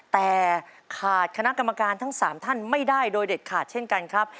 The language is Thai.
แต่ขาดคณะกรรมการทั้ง๓ท่านไม่ได้โดยเด็ดขาดเช่นกันครับ